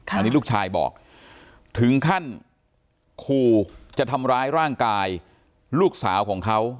อันนี้ลูกชายบอกถึงขั้นขู่จะทำร้ายร่างกายลูกสาวของเขา